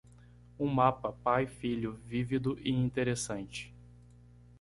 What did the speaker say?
um mapa pai-filho vívido e interessante